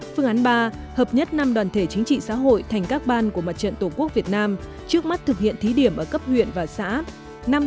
phương án ba hợp nhất năm đoàn thể chính trị xã hội thành các ban của mặt trận tổ quốc việt nam trước mắt thực hiện thí điểm ở cấp huyện và xã